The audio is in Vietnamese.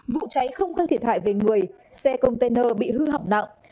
vụ cháy không gây thiệt hại về người xe container bị hư hỏng nặng